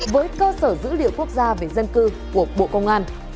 với cơ sở dữ liệu quốc gia về dân cư của bộ công an